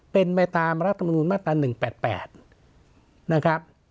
เป็นไปตามรัฐมนุนมาตราหนึ่งแปดแปดนะครับ